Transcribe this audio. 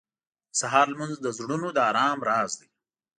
• د سهار لمونځ د زړونو د ارام راز دی.